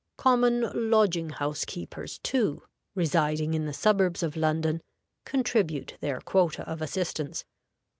Common lodging house keepers too, residing in the suburbs of London, contribute their quota of assistance.